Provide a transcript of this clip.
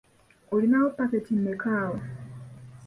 Olinawo paketi mmeka awo?